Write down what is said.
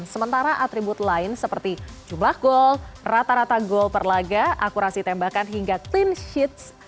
sementara atribut lain seperti jumlah gol rata rata gol per laga akurasi tembakan hingga clean sheets